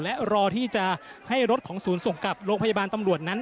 และรอที่จะให้รถของศูนย์ส่งกลับโรงพยาบาลตำรวจนั้น